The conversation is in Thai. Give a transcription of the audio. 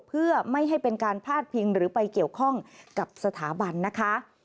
เพื่อไม่ให้เป็นการพาดพิงหรือไปเกี่ยวข้องกับสถาบันนะคะ